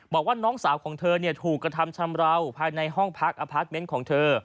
บอกว่าน้องสาวของเธอถูกกระทำชำราวภายในห้องพักอพาร์ทเมนต์ของเธอ